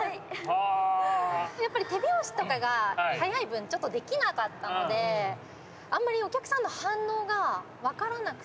やっぱり手拍子とかが速い分できなかったのであんまりお客さんの反応が分からなくて。